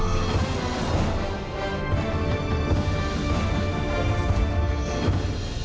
มันเป็นอุปสรรคต่อการตัดสินใจเสี่ยงอะไรบางอย่าง